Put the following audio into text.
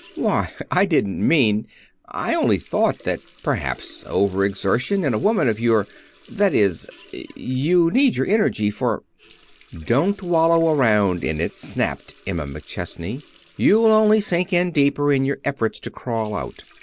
"Why, I didn't mean I only thought that perhaps overexertion in a woman of your That is, you need your energy for " "Don't wallow around in it," snapped Emma McChesney. "You'll only sink in deeper in your efforts to crawl out.